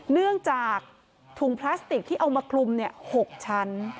เนื่องจากถุงพลาสติกที่เอามาคลุม๖ชั้น